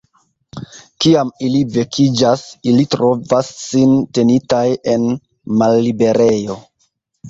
Kiam ili vekiĝas, ili trovas sin tenitaj en malliberejo.